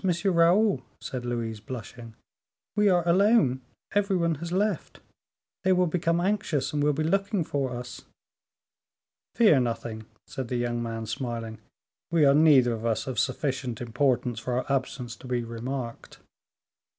Raoul," said Louise, blushing, "we are alone. Every one has left. They will become anxious, and will be looking for us." "Fear nothing," said the young man, smiling, "we are neither of us of sufficient importance for our absence to be remarked."